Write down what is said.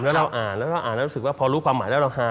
แล้วเราอ่านแล้วเราอ่านแล้วรู้สึกว่าพอรู้ความหมายแล้วเราฮา